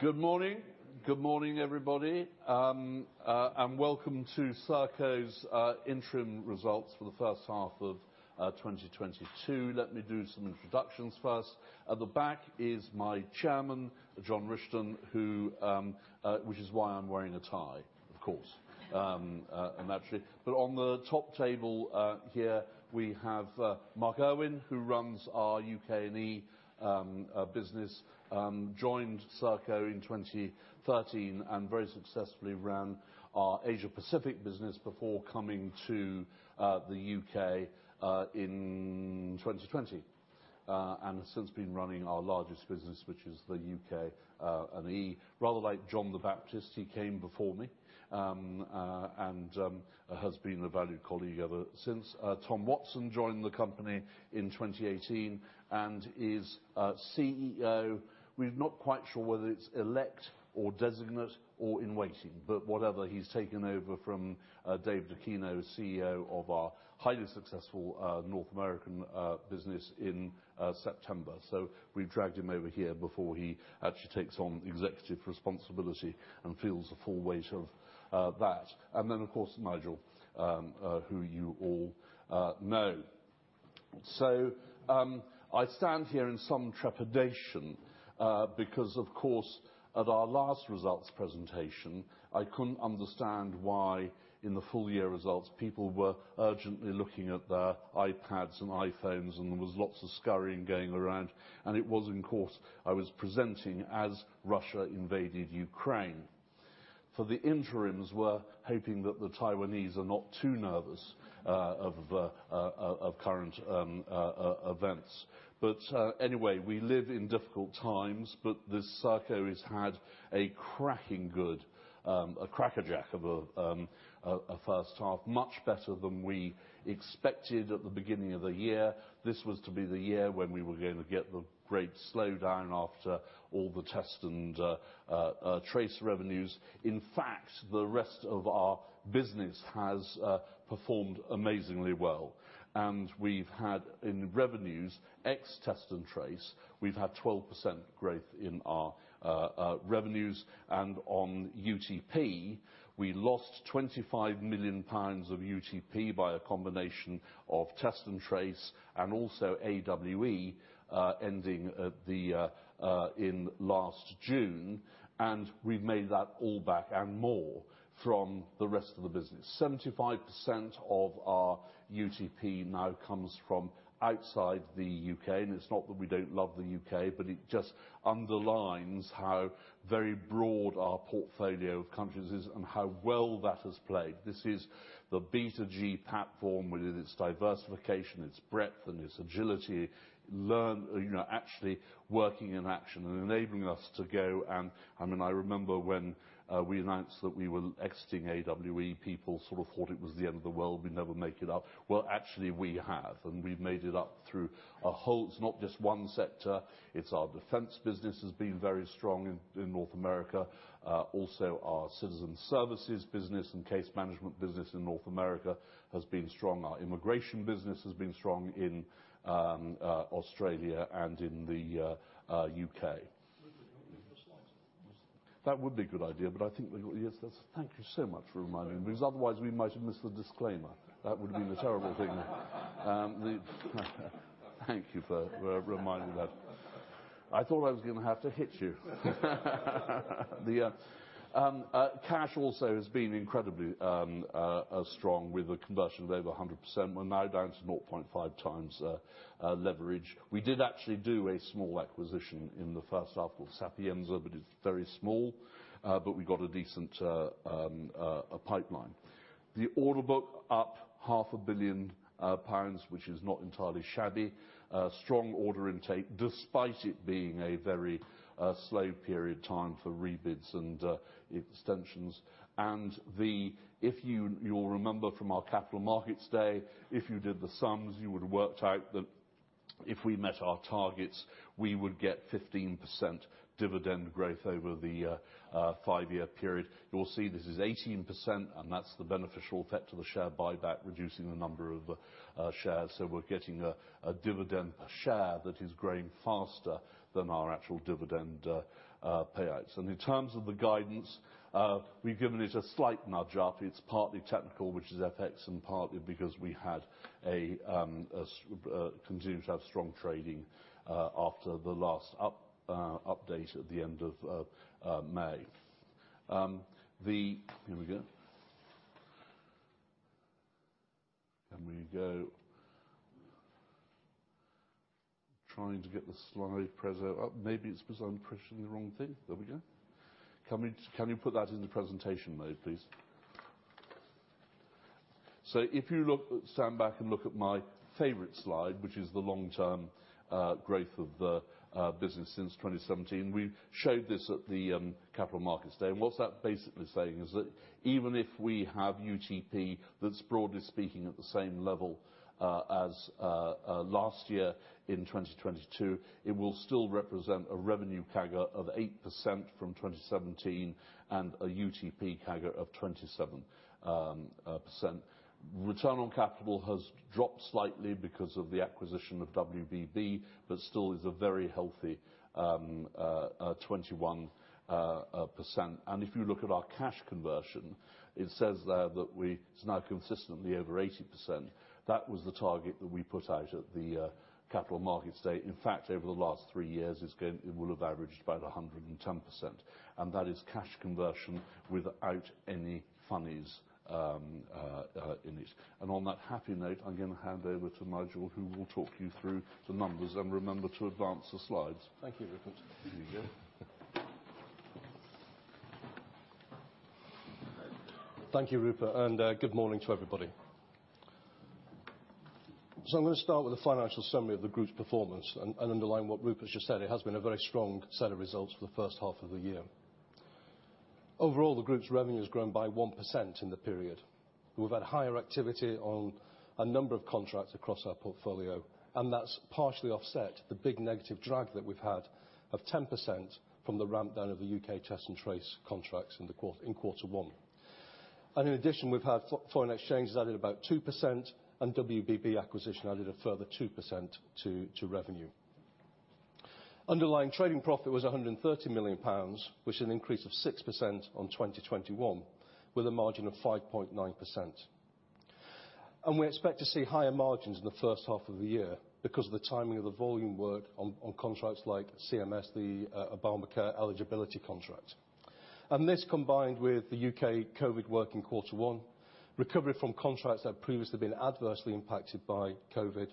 Good morning. Good morning, everybody. Welcome to Serco's interim results for the first half of 2022. Let me do some introductions first. At the back is my chairman, John Rishton, which is why I'm wearing a tie, of course. Naturally. On the top table here we have Mark Irwin, who runs our UK and Europe business. Joined Serco in 2013, and very successfully ran our Asia-Pacific business before coming to the UK in 2020. Has since been running our largest business, which is the UK and Europe. Rather like John the Baptist, he came before me. Has been a valued colleague ever since. Tom Watson joined the company in 2018, and is a CEO. We're not quite sure whether it's elect or designate or in waiting. Whatever, he's taken over from David Dacquino, CEO of our highly successful North American business in September. We've dragged him over here before he actually takes on executive responsibility and feels the full weight of that. Of course, Nigel, who you all know. I stand here in some trepidation, because of course at our last results presentation, I couldn't understand why in the full year results, people were urgently looking at their iPads and iPhones, and there was lots of scurrying going around, and of course I was presenting as Russia invaded Ukraine. For the interims, we're hoping that the Taiwanese are not too nervous of current events. Anyway, we live in difficult times. This Serco has had a cracking good first half. Much better than we expected at the beginning of the year. This was to be the year when we were going to get the great slowdown after all the test and trace revenues. In fact, the rest of our business has performed amazingly well. We've had, in revenues, ex test and trace, 12% growth in our revenues. On UTP, we lost 25 million pounds of UTP by a combination of test and trace and also AWE ending in last June. We've made that all back and more from the rest of the business. 75% of our UTP now comes from outside the UK, and it's not that we don't love the UK, but it just underlines how very broad our portfolio of countries is and how well that has played. This is the B2G platform with its diversification, its breadth, and its agility. I mean, I remember when we announced that we were exiting AWE, people sort of thought it was the end of the world. We'd never make it up. Well, actually, we have, and we've made it up. It's not just one sector. Our defense business has been very strong in North America. Also our citizen services business and case management business in North America has been strong. Our immigration business has been strong in Australia and in the U.K. That would be a good idea, but I think we got. Yes, that's. Thank you so much for reminding me, because otherwise we might have missed the disclaimer. That would have been a terrible thing. Thank you for reminding that. I thought I was gonna have to hit you. The cash also has been incredibly strong with the conversion of over 100%. We're now down to 0.5x leverage. We did actually do a small acquisition in the first half called Sapienza, but it's very small, but we got a decent pipeline. The order book up half a billion pounds, which is not entirely shabby. Strong order intake despite it being a very slow period, time for rebids and extensions. If you'll remember from our Capital Markets Day, if you did the sums, you would have worked out that if we met our targets, we would get 15% dividend growth over the five-year period. You'll see this is 18%, and that's the beneficial effect of the share buyback, reducing the number of shares. We're getting a dividend per share that is growing faster than our actual dividend payouts. In terms of the guidance, we've given it a slight nudge up. It's partly technical, which is FX, and partly because we continue to have strong trading after the last update at the end of May. The here we go. Trying to get the slide presentation up. Maybe it's because I'm pressing the wrong thing. There we go. Can you put that into presentation mode, please? Stand back and look at my favorite slide, which is the long-term growth of the business since 2017. We showed this at the Capital Markets Day, and what's that basically saying is that even if we have UTP that's broadly speaking at the same level as last year in 2022, it will still represent a revenue CAGR of 8% from 2017 and a UTP CAGR of 27%. Return on capital has dropped slightly because of the acquisition of WBB, but still is a very healthy 21%. If you look at our cash conversion, it says there that it's now consistently over 80%. That was the target that we put out at the Capital Markets Day. In fact, over the last three years, it will have averaged about 110%, and that is cash conversion without any funnies in it. On that happy note, I'm gonna hand over to Nigel who will talk you through the numbers. Remember to advance the slides. Thank you, Rupert, and good morning to everybody. I'm gonna start with the financial summary of the group's performance and underline what Rupert's just said. It has been a very strong set of results for the first half of the year. Overall, the group's revenue has grown by 1% in the period. We've had higher activity on a number of contracts across our portfolio, and that's partially offset the big negative drag that we've had of 10% from the ramp down of the UK Test and Trace contracts in quarter one. In addition, we've had foreign exchanges added about 2%, and WBB acquisition added a further 2% to revenue. Underlying trading profit was 130 million pounds, which is an increase of 6% on 2021, with a margin of 5.9%. We expect to see higher margins in the first half of the year because of the timing of the volume work on contracts like CMS, the Obamacare eligibility contract. This combined with the UK COVID work in quarter one, recovery from contracts that have previously been adversely impacted by COVID,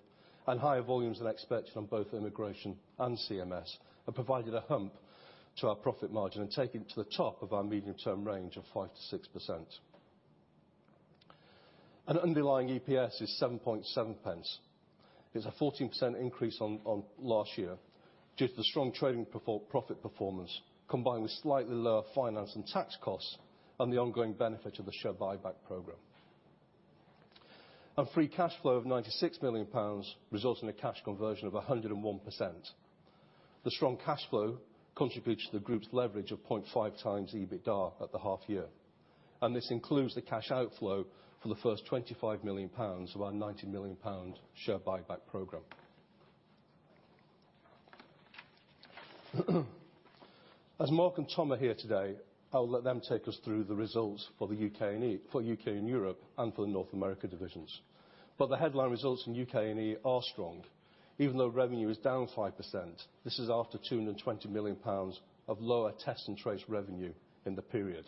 and higher volumes than expected on both immigration and CMS, have provided a bump to our profit margin and take it to the top of our medium-term range of 5%-6%. Underlying EPS is 7.7 pence. It's a 14% increase on last year due to the strong trading profit performance combined with slightly lower finance and tax costs and the ongoing benefit of the share buyback program. Free cash flow of 96 million pounds results in a cash conversion of 101%. The strong cash flow contributes to the group's leverage of 0.5x EBITDA at the half year. This includes the cash outflow for the first 25 million pounds of our 90 million pound share buyback program. As Mark and Tom are here today, I'll let them take us through the results for the UK and Europe and for the North America divisions. The headline results in UK and Europe are strong. Even though revenue is down 5%, this is after 220 million pounds of lower Test and Trace revenue in the period,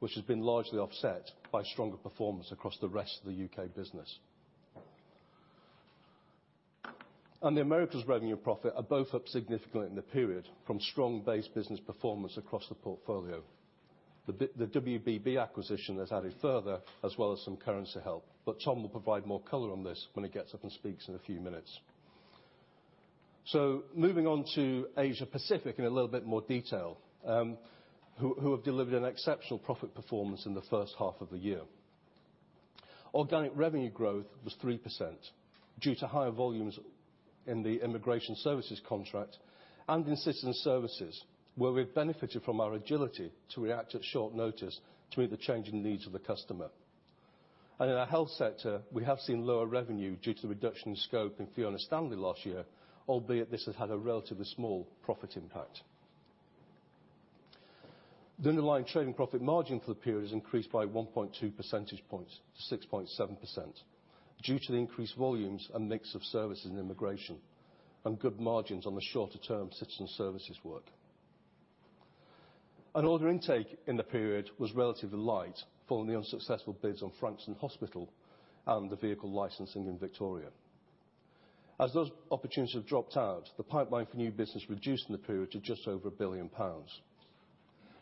which has been largely offset by stronger performance across the rest of the UK business. The Americas revenue and profit are both up significantly in the period from strong base business performance across the portfolio. The WBB acquisition has added further, as well as some currency help. Tom will provide more color on this when he gets up and speaks in a few minutes. Moving on to Asia Pacific in a little bit more detail, who have delivered an exceptional profit performance in the first half of the year. Organic revenue growth was 3% due to higher volumes in the immigration services contract and in citizen services, where we've benefited from our agility to react at short notice to meet the changing needs of the customer. In our health sector, we have seen lower revenue due to the reduction in scope in Fiona Stanley last year, albeit this has had a relatively small profit impact. The underlying trading profit margin for the period has increased by 1.2 percentage points to 6.7% due to the increased volumes and mix of services in immigration and good margins on the shorter-term citizen services work. Order intake in the period was relatively light following the unsuccessful bids on Frankston Hospital and the vehicle licensing in Victoria. As those opportunities have dropped out, the pipeline for new business reduced in the period to just over 1 billion pounds.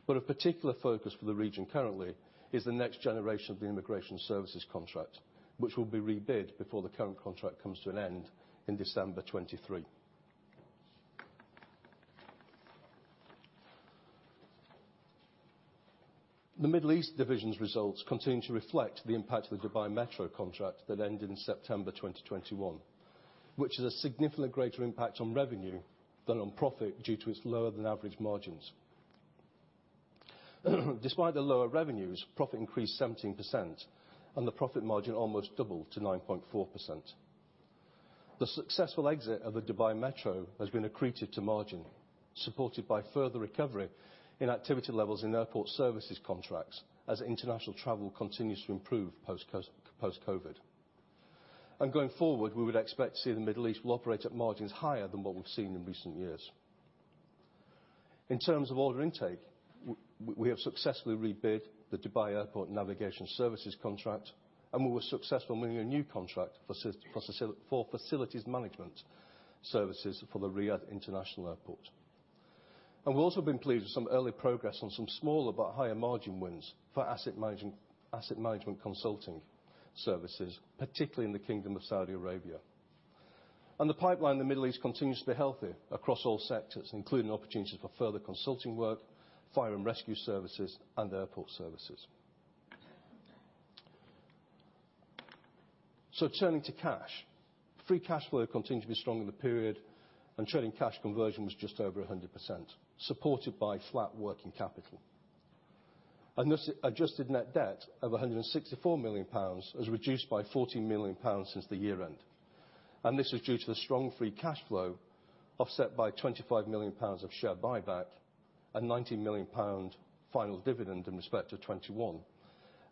A particular focus for the region currently is the next generation of the immigration services contract, which will be rebid before the current contract comes to an end in December 2023. The Middle East division's results continue to reflect the impact of the Dubai Metro contract that ended in September 2021, which is a significantly greater impact on revenue than on profit due to its lower than average margins. Despite the lower revenues, profit increased 17%, and the profit margin almost doubled to 9.4%. The successful exit of the Dubai Metro has been accretive to margin, supported by further recovery in activity levels in airport services contracts as international travel continues to improve post-COVID. Going forward, we would expect to see the Middle East will operate at margins higher than what we've seen in recent years. In terms of order intake, we have successfully rebid the Dubai Airport Navigation Services contract, and we were successful in winning a new contract for facilities management services for the Riyadh International Airport. We've also been pleased with some early progress on some smaller but higher margin wins for asset management consulting services, particularly in the Kingdom of Saudi Arabia. The pipeline in the Middle East continues to be healthy across all sectors, including opportunities for further consulting work, fire and rescue services, and airport services. Turning to cash. Free cash flow continued to be strong in the period, and trading cash conversion was just over 100%, supported by flat working capital. This adjusted net debt of 164 million pounds was reduced by 40 million pounds since the year end. This is due to the strong free cash flow, offset by 25 million pounds of share buyback and 19 million pound final dividend in respect to 2021,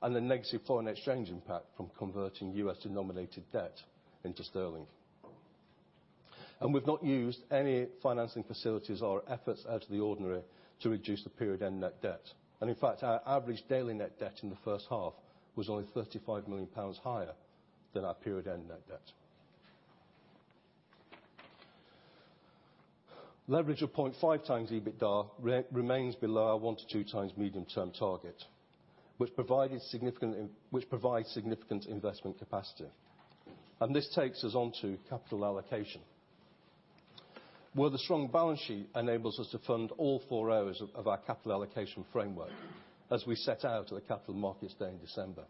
and the negative foreign exchange impact from converting US-denominated debt into sterling. We've not used any financing facilities or efforts out of the ordinary to reduce the period-end net debt. In fact, our average daily net debt in the first half was only 35 million pounds higher than our period-end net debt. Leverage of 0.5 times EBITDA remains below our 1-2 times medium-term target, which provides significant investment capacity. This takes us on to capital allocation, where the strong balance sheet enables us to fund all four O's of our capital allocation framework as we set out at the Capital Markets Day in December.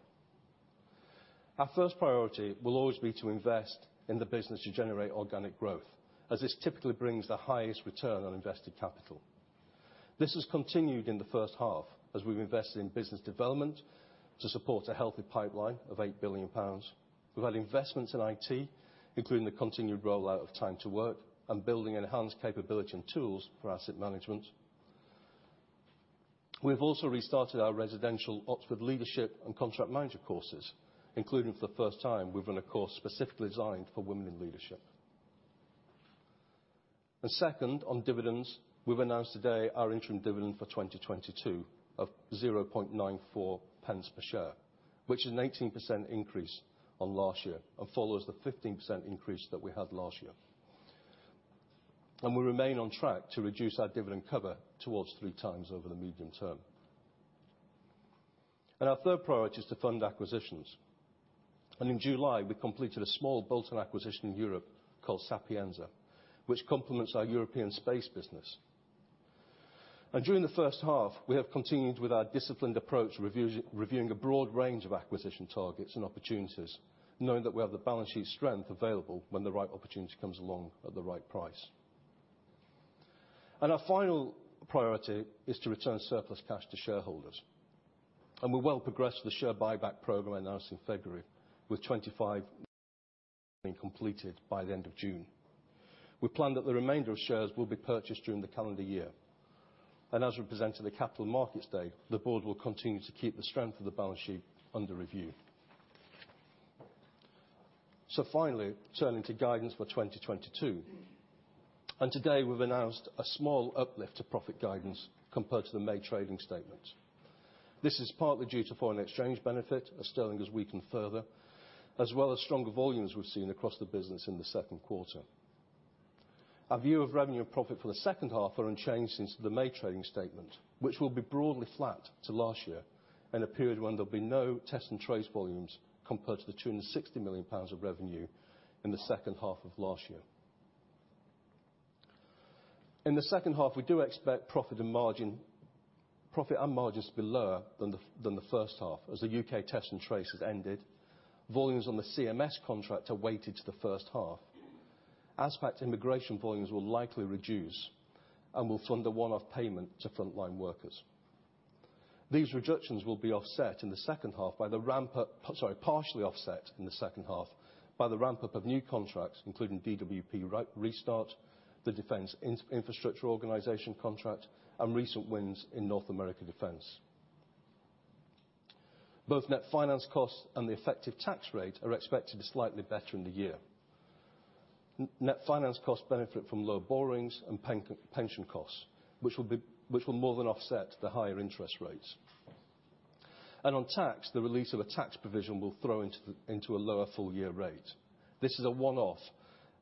Our first priority will always be to invest in the business to generate organic growth, as this typically brings the highest return on invested capital. This has continued in the first half as we've invested in business development to support a healthy pipeline of 8 billion pounds. We've had investments in IT, including the continued rollout of Time to Work and building enhanced capability and tools for asset management. We've also restarted our residential Oxford leadership and contract manager courses, including for the first time we've run a course specifically designed for women in leadership. Second, on dividends, we've announced today our interim dividend for 2022 of 0.94 pence per share, which is an 18% increase on last year and follows the 15% increase that we had last year. We remain on track to reduce our dividend cover towards three times over the medium term. Our third priority is to fund acquisitions. In July, we completed a small bolt-on acquisition in Europe called Sapienza, which complements our European space business. During the first half, we have continued with our disciplined approach, reviewing a broad range of acquisition targets and opportunities, knowing that we have the balance sheet strength available when the right opportunity comes along at the right price. Our final priority is to return surplus cash to shareholders. We're well progressed the share buyback program announced in February, with 25 million having been completed by the end of June. We plan that the remainder of shares will be purchased during the calendar year. As we presented at Capital Markets Day, the board will continue to keep the strength of the balance sheet under review. Finally, turning to guidance for 2022. Today we've announced a small uplift to profit guidance compared to the May trading statement. This is partly due to foreign exchange benefit as sterling has weakened further, as well as stronger volumes we've seen across the business in the second quarter. Our view of revenue and profit for the second half are unchanged since the May trading statement, which will be broadly flat to last year in a period when there'll be no test and trace volumes compared to the 260 million pounds of revenue in the second half of last year. In the second half, we do expect profit and margins to be lower than the first half as the UK Test and Trace has ended. Volumes on the CMS contract are weighted to the first half. Expected immigration volumes will likely reduce and will fund a one-off payment to frontline workers. These reductions will be offset in the second half by the ramp up. Sorry, partially offset in the second half by the ramp up of new contracts, including DWP Restart, the Defence Infrastructure Organisation contract, and recent wins in North America Defense. Both net finance costs and the effective tax rate are expected to be slightly better in the year. Net finance costs benefit from lower borrowings and pension costs, which will more than offset the higher interest rates. On tax, the release of a tax provision will throw into a lower full-year rate. This is a one-off,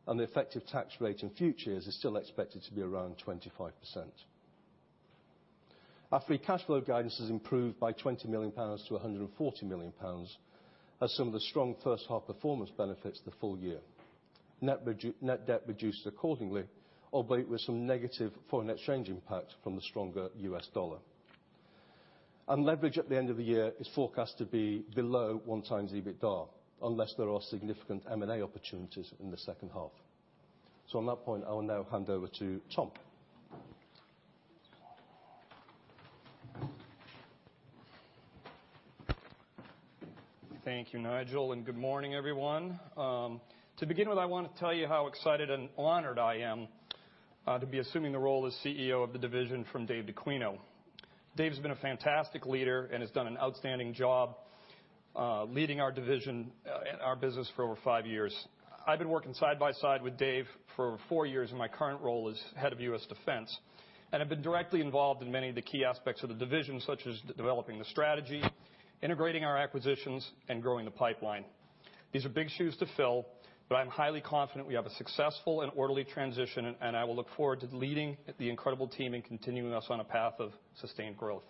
and the effective tax rate in future years is still expected to be around 25%. Our free cash flow guidance has improved by £20 million to £140 million as some of the strong first half performance benefits the full year. Net debt reduced accordingly, albeit with some negative foreign exchange impact from the stronger US dollar. Leverage at the end of the year is forecast to be below 1x EBITDA, unless there are significant M&A opportunities in the second half. On that point, I will now hand over to Tom. Thank you, Nigel, and good morning, everyone. To begin with, I want to tell you how excited and honored I am to be assuming the role as CEO of the division from David Dacquino. David Dacquino has been a fantastic leader and has done an outstanding job leading our division and our business for over five years. I've been working side by side with David Dacquino for four years in my current role as Head of U.S. Defense, and I've been directly involved in many of the key aspects of the division, such as developing the strategy, integrating our acquisitions, and growing the pipeline. These are big shoes to fill, but I'm highly confident we have a successful and orderly transition, and I will look forward to leading the incredible team in continuing us on a path of sustained growth.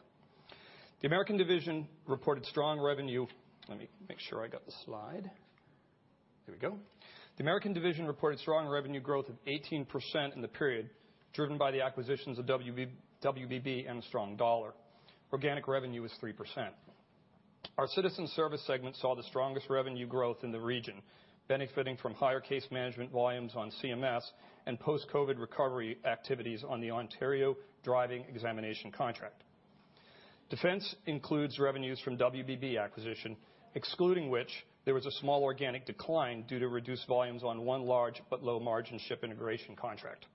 The American division reported strong revenue. Let me make sure I got the slide. Here we go. The American division reported strong revenue growth of 18% in the period, driven by the acquisitions of WBB and the strong dollar. Organic revenue was 3%. Our citizen service segment saw the strongest revenue growth in the region, benefiting from higher case management volumes on CMS and post-COVID recovery activities on the Ontario driving examination contract. Defense includes revenues from WBB acquisition, excluding which there was a small organic decline due to reduced volumes on one large but low-margin ship integration contract.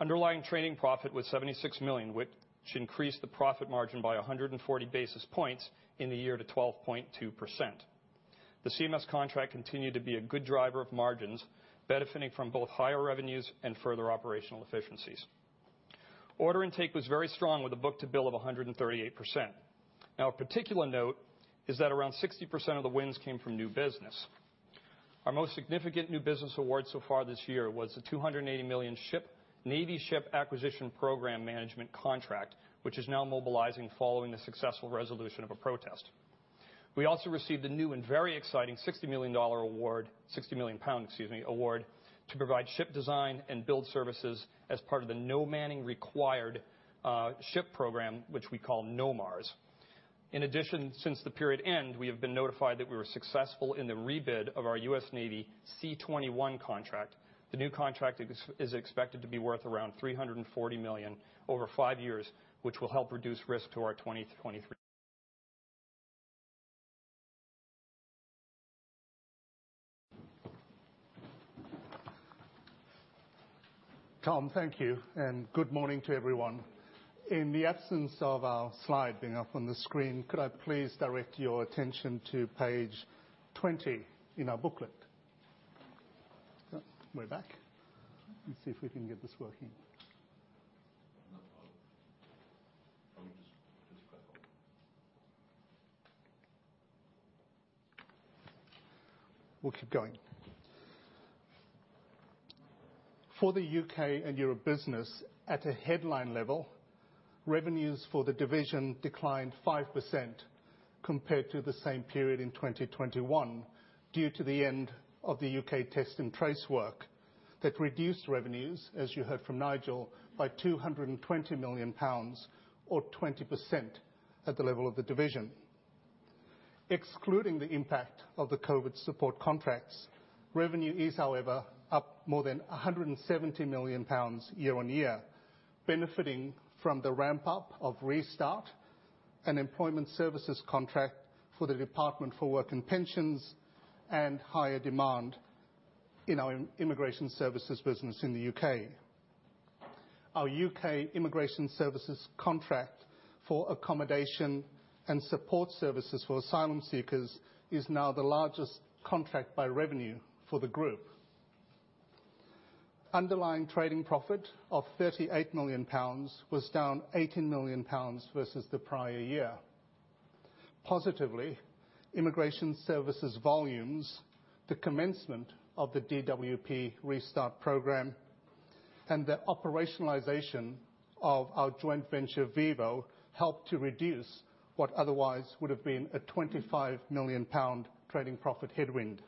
Underlying trading profit was GBP 76 million, which increased the profit margin by 140 basis points in the year to 12.2%. The CMS contract continued to be a good driver of margins, benefiting from both higher revenues and further operational efficiencies. Order intake was very strong with a book to bill of 138%. A particular note is that around 60% of the wins came from new business. Our most significant new business award so far this year was the 280 million Navy ship acquisition program management contract, which is now mobilizing following the successful resolution of a protest. We also received a new and very exciting $60 million award, 60 million pound, excuse me, award to provide ship design and build services as part of the no manning required ship program, which we call NOMARS. In addition, since the period end, we have been notified that we were successful in the rebid of our U.S. Navy C-21 contract. The new contract is expected to be worth around 340 million over five years, which will help reduce risk to our 2023. Tom, thank you, and good morning to everyone. In the absence of our slide being up on the screen, could I please direct your attention to page 20 in our booklet? We're back. Let's see if we can get this working. We'll keep going. For the UK and Europe business, at a headline level, revenues for the division declined 5% compared to the same period in 2021 due to the end of the UK test and trace work. That reduced revenues, as you heard from Nigel, by 220 million pounds or 20% at the level of the division. Excluding the impact of the COVID support contracts, revenue is, however, up more than 170 million pounds year-on-year, benefiting from the ramp-up of restart and employment services contract for the Department for Work and Pensions, and higher demand in our immigration services business in the UK. Our UK Immigration Services contract for accommodation and support services for asylum seekers is now the largest contract by revenue for the group. Underlying trading profit of 38 million pounds was down 18 million pounds versus the prior year. Positively, immigration services volumes, the commencement of the DWP restart program, and the operationalization of our joint venture, VIVO, helped to reduce what otherwise would have been a 25 million pound trading profit headwind.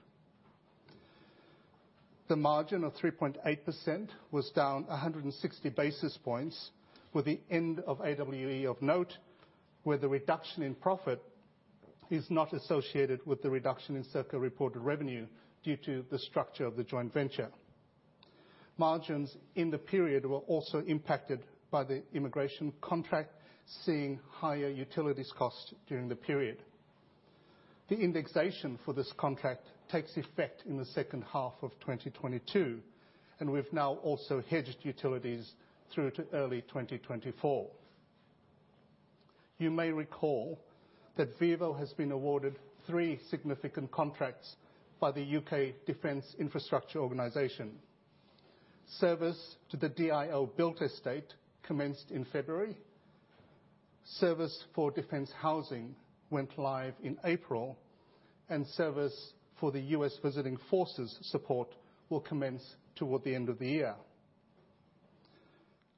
The margin of 3.8% was down 160 basis points, with the end of AWE of note, where the reduction in profit is not associated with the reduction in Serco reported revenue due to the structure of the joint venture. Margins in the period were also impacted by the immigration contract, seeing higher utilities cost during the period. The indexation for this contract takes effect in the second half of 2022, and we've now also hedged utilities through to early 2024. You may recall that Vivo has been awarded three significant contracts by the UK Defence Infrastructure Organisation. Service to the DIO-built estate commenced in February. Service for defense housing went live in April, and service for the U.S. Visiting Forces Support will commence toward the end of the year.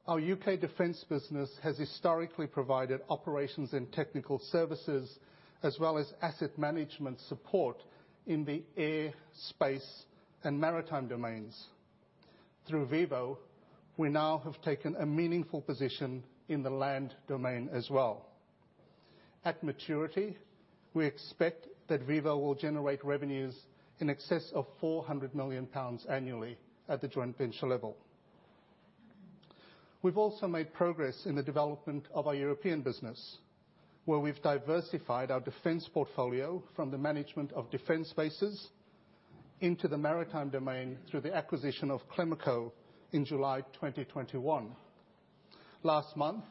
Our UK defense business has historically provided operations and technical services as well as asset management support in the air, space, and maritime domains. Through VIVO, we now have taken a meaningful position in the land domain as well. At maturity, we expect that VIVO will generate revenues in excess of 400 million pounds annually at the joint venture level. We've also made progress in the development of our European business, where we've diversified our defense portfolio from the management of defense bases into the maritime domain through the acquisition of Clemaco in July 2021. Last month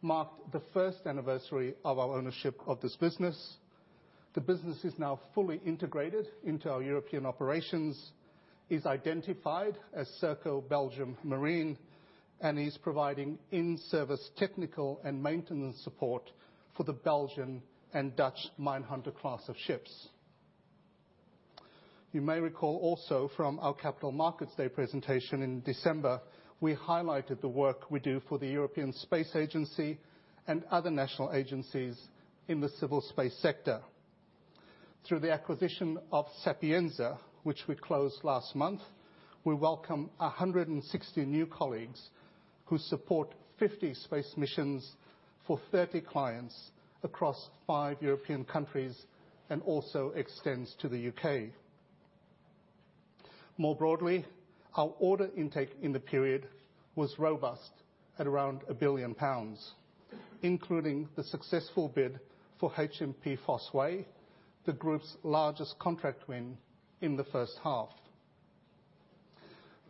marked the first anniversary of our ownership of this business. The business is now fully integrated into our European operations. It is identified as Serco Maritime Services and is providing in-service technical and maintenance support for the Belgian and Dutch minehunter class of ships. You may recall also from our Capital Markets Day presentation in December, we highlighted the work we do for the European Space Agency and other national agencies in the civil space sector. Through the acquisition of Sapienza, which we closed last month, we welcome 160 new colleagues who support 50 space missions for 30 clients across 5 European countries, and also extends to the UK. More broadly, our order intake in the period was robust at around 1 billion pounds, including the successful bid for HMP Fosse Way, the group's largest contract win in the first half.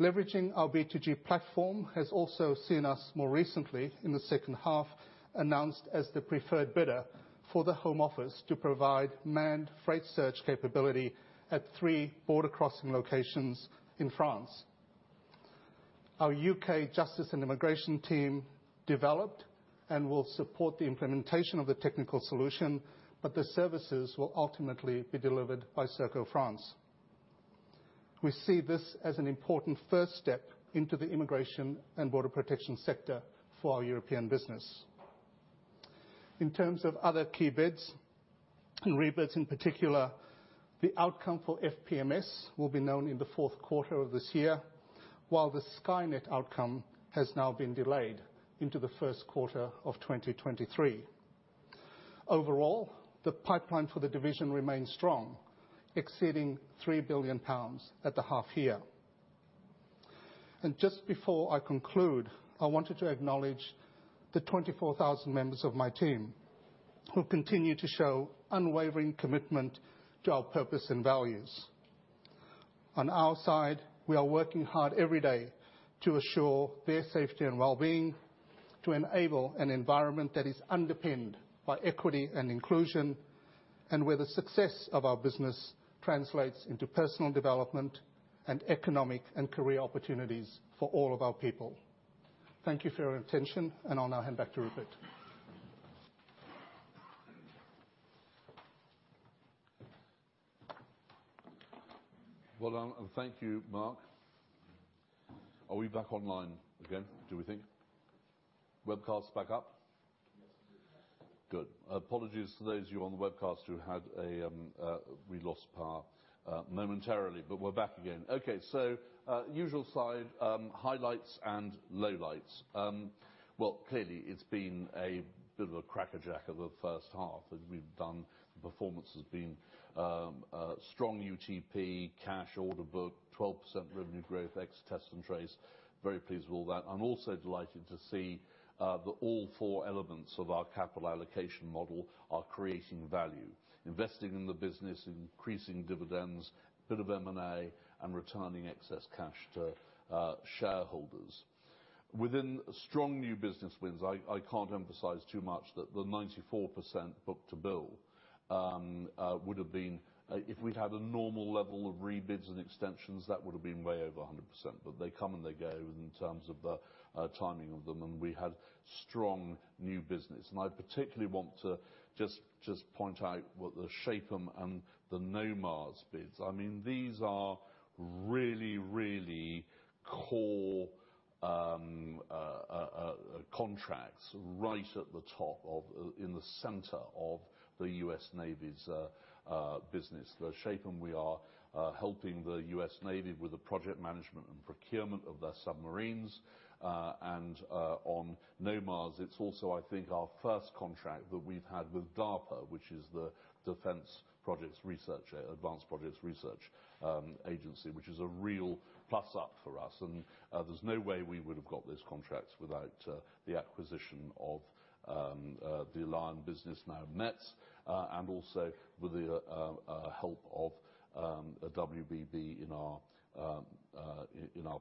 Leveraging our B2G platform has also seen us more recently, in the second half, announced as the preferred bidder for the Home Office to provide manned freight search capability at three border crossing locations in France. Our UK justice and immigration team developed and will support the implementation of the technical solution, but the services will ultimately be delivered by Serco France. We see this as an important first step into the immigration and border protection sector for our European business. In terms of other key bids and rebids, in particular, the outcome for FPMS will be known in the fourth quarter of this year, while the Skynet outcome has now been delayed into the first quarter of 2023. Overall, the pipeline for the division remains strong, exceeding 3 billion pounds at the half year. Just before I conclude, I wanted to acknowledge the 24,000 members of my team who continue to show unwavering commitment to our purpose and values. On our side, we are working hard every day to assure their safety and well-being, to enable an environment that is underpinned by equity and inclusion, and where the success of our business translates into personal development and economic and career opportunities for all of our people. Thank you for your attention, and I'll now hand back to Rupert. Well done and thank you, Mark. Are we back online again, do we think? Webcast back up? Yes. Good. Apologies to those of you on the webcast. We lost power momentarily, but we're back again. Okay. Usual slide, highlights and lowlights. Well, clearly it's been a bit of a cracking first half as we've done. The performance has been strong UTP, cash order book, 12% revenue growth, ex test and trace. Very pleased with all that. I'm also delighted to see that all four elements of our capital allocation model are creating value, investing in the business, increasing dividends, a bit of M&A, and returning excess cash to shareholders. Within strong new business wins, I can't emphasize too much that the 94% book to bill would have been if we'd had a normal level of rebids and extensions, that would have been way over a 100%. They come and they go in terms of the timing of them. We had strong new business. I particularly want to just point out what the SHAPM and the NOMARS bids. I mean, these are really, really core contracts right at the top of, in the center of the U.S. Navy's business. The SHAPM, we are helping the U.S. Navy with the project management and procurement of their submarines. On NOMARS, it's also, I think, our first contract that we've had with DARPA, which is the Defense Advanced Research Projects Agency, which is a real plus up for us. There's no way we would have got those contracts without the acquisition of the Alion business now METS, and also with the help of WBB in our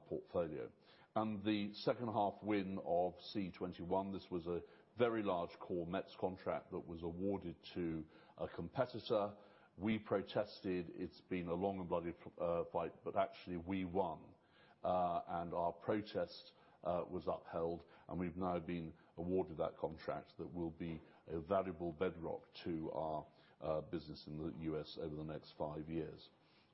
portfolio. The second half win of C-21, this was a very large core METS contract that was awarded to a competitor. We protested. It's been a long and bloody fight, but actually we won, and our protest was upheld, and we've now been awarded that contract. That will be a valuable bedrock to our business in the U.S. over the next five years.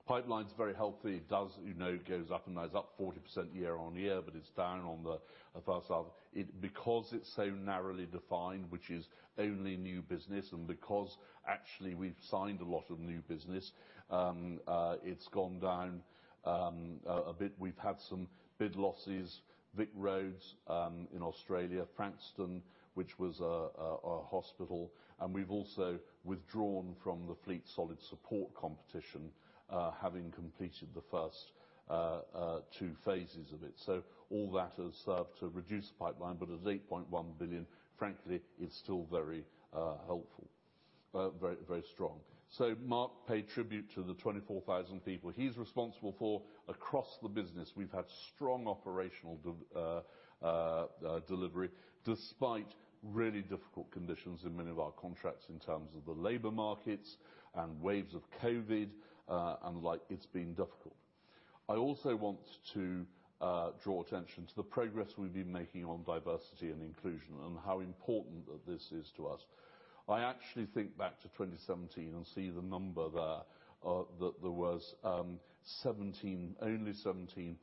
Pipeline's very healthy. It does, you know, goes up and now it's up 40% year-on-year, but it's down on the first half. It, because it's so narrowly defined, which is only new business, and because actually we've signed a lot of new business, it's gone down a bit. We've had some bid losses, VicRoads in Australia, Frankston Hospital. We've also withdrawn from the Fleet Solid Support competition, having completed the first two phases of it. All that has served to reduce the pipeline, but at 8.1 billion, frankly, it's still very helpful. Very, very strong. Mark paid tribute to the 24,000 people he's responsible for across the business. We've had strong operational delivery, despite really difficult conditions in many of our contracts in terms of the labor markets and waves of COVID, and like it's been difficult. I also want to draw attention to the progress we've been making on diversity and inclusion and how important that this is to us. I actually think back to 2017 and see the number there, that there was seventeen, only 17%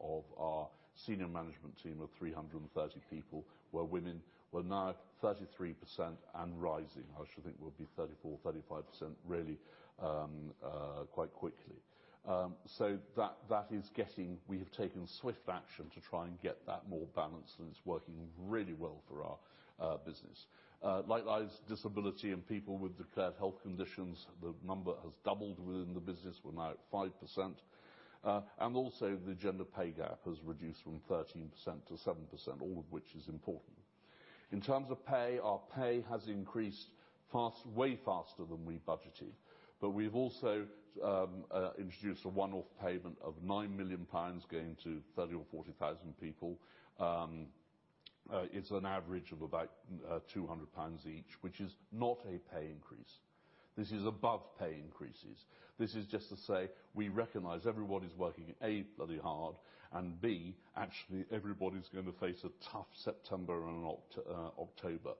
of our senior management team of 330 people were women. We're now at 33% and rising. I should think we'll be 34, 35% really, quite quickly. So that is getting we have taken swift action to try and get that more balanced, and it's working really well for our business. Likewise, disability and people with declared health conditions, the number has doubled within the business. We're now at 5%. And also the gender pay gap has reduced from 13% to 7%, all of which is important. In terms of pay, our pay has increased way faster than we budgeted. But we've also introduced a one-off payment of 9 million pounds going to 30 or 40 thousand people. It's an average of about 200 pounds each, which is not a pay increase. This is above pay increases. This is just to say we recognize everybody's working, A, bloody hard, and B, actually, everybody's gonna face a tough September and October.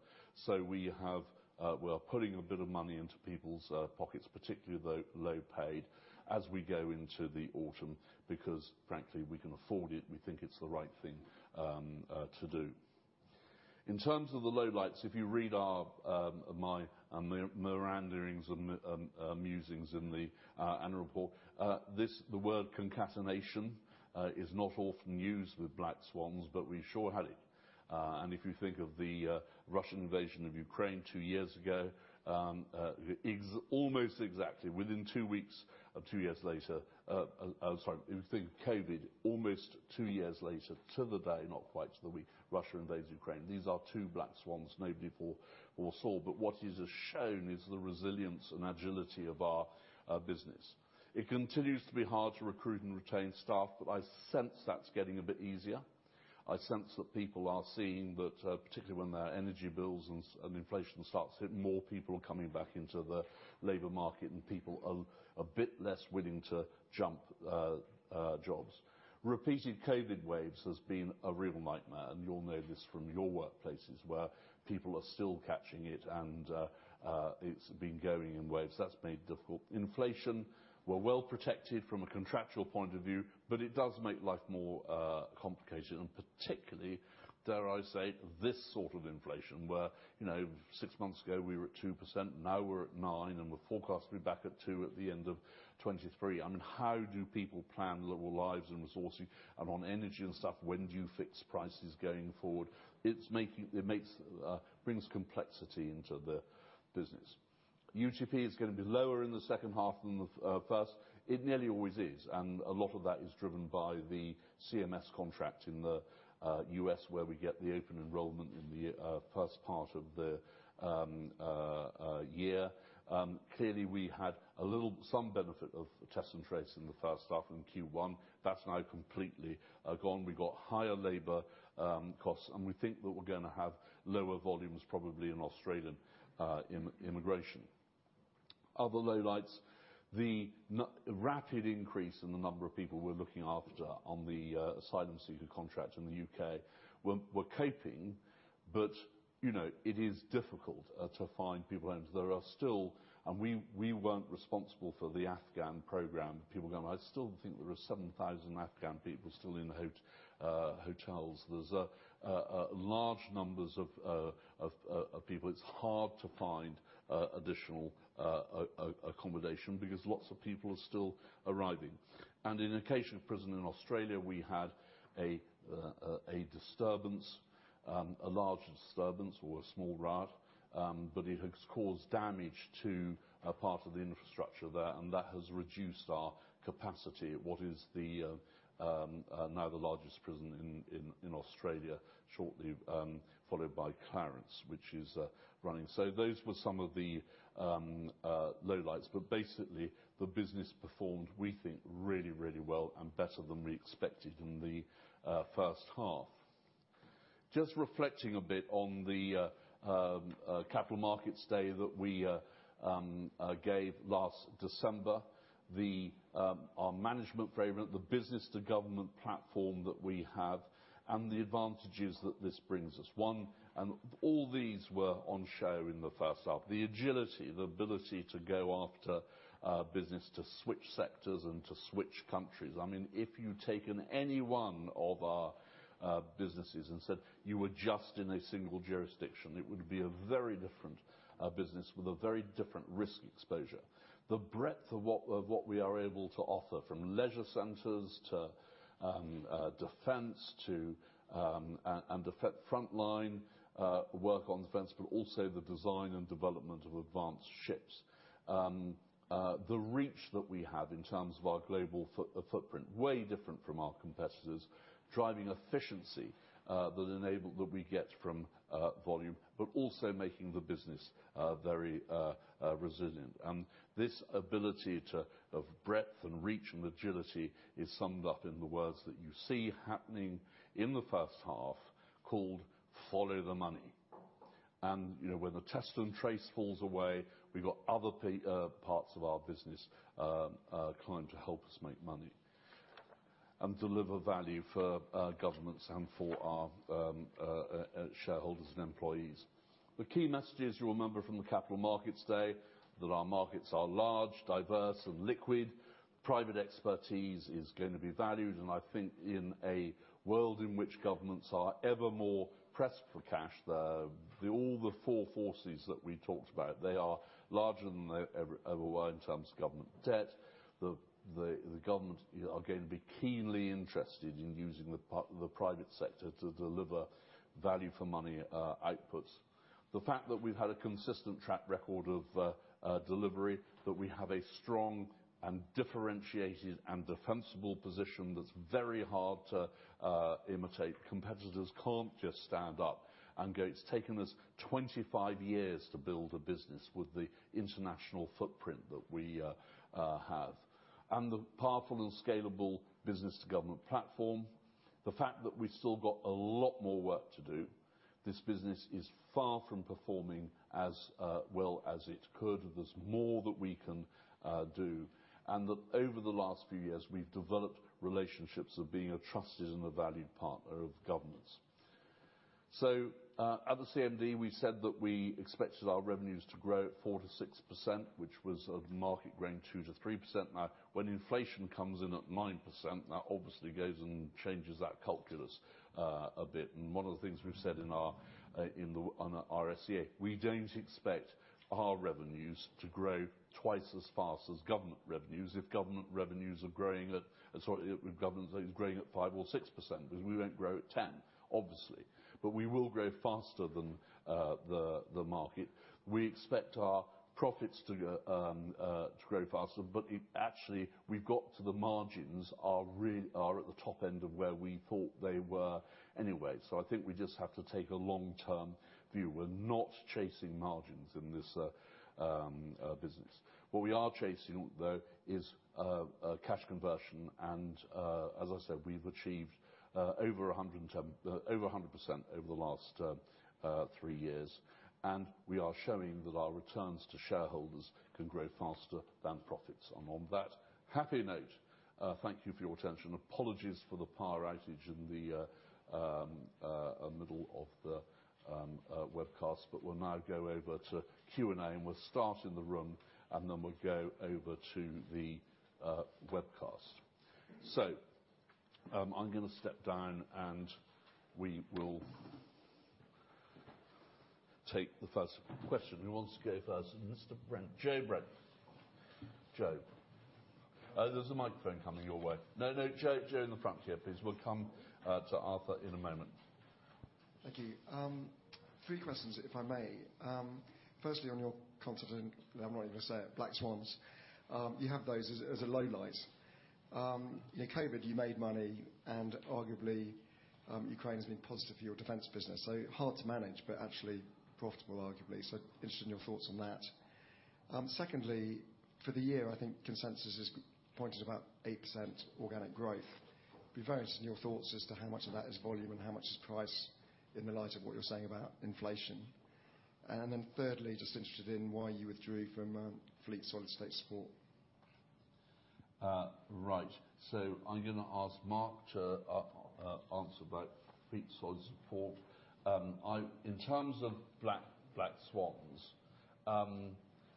We're putting a bit of money into people's pockets, particularly the low paid, as we go into the autumn because, frankly, we can afford it. We think it's the right thing to do. In terms of the lowlights, if you read my meanderings and musings in the annual report, the word concatenation is not often used with black swans, but we sure had it. If you think of the Russian invasion of Ukraine two years ago, almost exactly within two weeks of two years later, I'm sorry. If you think of COVID, almost two years later to the day, not quite to the week, Russia invades Ukraine. These are two black swans nobody foresaw. What is as shown is the resilience and agility of our business. It continues to be hard to recruit and retain staff, but I sense that's getting a bit easier. I sense that people are seeing that, particularly when their energy bills and inflation starts to hit, more people are coming back into the labor market, and people are a bit less willing to jump jobs. Repeated COVID waves has been a real nightmare, and you'll know this from your workplaces, where people are still catching it and it's been going in waves. That's made difficult. Inflation, we're well protected from a contractual point of view, but it does make life more complicated, and particularly, dare I say, this sort of inflation where, you know, six months ago, we were at 2%, now we're at 9%, and we're forecasting back at 2% at the end of 2023. I mean, how do people plan their lives and resources? On energy and stuff, when do you fix prices going forward? It brings complexity into the business. UTP is gonna be lower in the second half than the first. It nearly always is, and a lot of that is driven by the CMS contract in the U.S., where we get the open enrollment in the first part of the year. Clearly, we had a little, some benefit of Test and Trace in the first half in Q1. That's now completely gone. We've got higher labor costs, and we think that we're gonna have lower volumes probably in Australian immigration. Other lowlights, the rapid increase in the number of people we're looking after on the asylum seeker contract in the UK. We're coping, but you know, it is difficult to find people homes. There are still. We weren't responsible for the Afghan program. People going, "I still think there are 7,000 Afghan people still in the hotels." There's large numbers of people. It's hard to find additional accommodation because lots of people are still arriving. In one of our prisons in Australia, we had a disturbance, a large disturbance or a small riot. But it has caused damage to a part of the infrastructure there, and that has reduced our capacity at what is now the largest prison in Australia, shortly followed by Clarence, which is running. Those were some of the lowlights. Basically, the business performed, we think, really, really well and better than we expected in the first half. Just reflecting a bit on the Capital Markets Day that we gave last December, our management framework, the business to government platform that we have and the advantages that this brings us. One, all these were on show in the first half. The agility, the ability to go after, business, to switch sectors and to switch countries. I mean, if you'd taken any one of our, businesses and said you were just in a single jurisdiction, it would be a very different, business with a very different risk exposure. The breadth of what we are able to offer, from leisure centers to, defense to, and the front line, work on defense, but also the design and development of advanced ships. The reach that we have in terms of our global footprint, way different from our competitors, driving efficiency that we get from, volume, but also making the business very resilient. This ability to, of breadth and reach and agility is summed up in the words that you see happening in the first half called follow the money. You know, when the test and trace falls away, we've got other parts of our business trying to help us make money and deliver value for governments and for our shareholders and employees. The key message is, you'll remember from the Capital Markets Day, that our markets are large, diverse, and liquid. Private expertise is going to be valued, and I think in a world in which governments are ever more pressed for cash, the four forces that we talked about are larger than they ever were in terms of government debt. The government, you know, are going to be keenly interested in using the private sector to deliver value for money, outputs. The fact that we've had a consistent track record of delivery, that we have a strong and differentiated and defensible position that's very hard to imitate. Competitors can't just stand up and go. It's taken us 25 years to build a business with the international footprint that we have. The powerful and scalable business-to-government platform. The fact that we've still got a lot more work to do. This business is far from performing as well as it could. There's more that we can do. That over the last few years, we've developed relationships of being a trusted and a valued partner of governments. At the CMD, we said that we expected our revenues to grow at 4%-6%, which was of market growing 2%-3%. Now, when inflation comes in at 9%, that obviously goes and changes that calculus a bit. One of the things we've said in our RNS, we don't expect our revenues to grow twice as fast as government revenues. If government is growing at 5% or 6%, because we won't grow at 10%, obviously. We will grow faster than the market. We expect our profits to grow faster, but actually the margins are really at the top end of where we thought they were anyway. I think we just have to take a long-term view. We're not chasing margins in this business. What we are chasing, though, is cash conversion. As I said, we've achieved over 100% over the last three years. We are showing that our returns to shareholders can grow faster than profits. On that happy note, thank you for your attention. Apologies for the power outage in the middle of the webcast, but we'll now go over to Q&A, and we'll start in the room, and then we'll go over to the webcast. I'm gonna step down, and we will take the first question. Who wants to go first? Mr. Brent. Joe Brent. Joe. There's a microphone coming your way. No, no. Joe in the front here, please. We'll come to Arthur in a moment. Thank you. Three questions, if I may. Firstly, on your comment on, I'm not even gonna say it, black swans. You have those as a low light. In COVID, you made money, and arguably, Ukraine has been positive for your defense business. Hard to manage but actually profitable, arguably. Interested in your thoughts on that. Secondly, for the year, I think consensus is pointing to about 8% organic growth. Be very interested in your thoughts as to how much of that is volume and how much is price in the light of what you're saying about inflation. Thirdly, just interested in why you withdrew from Fleet Solid Support. Right. I'm gonna ask Mark to answer about Fleet Solid Support. In terms of black swans,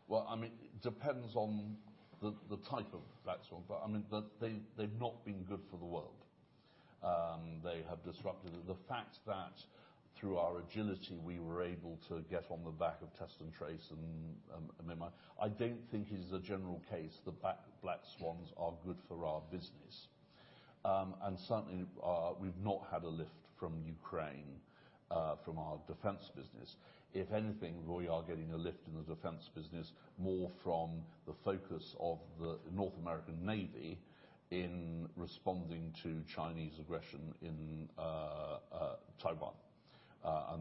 well, I mean, it depends on the type of black swan, but I mean, they've not been good for the world. They have disrupted. The fact that through our agility, we were able to get on the back of test and trace and, I mean, I don't think it is a general case that black swans are good for our business. Certainly, we've not had a lift from Ukraine from our defense business. If anything, we are getting a lift in the defense business more from the focus of the North American Navy in responding to Chinese aggression in Taiwan.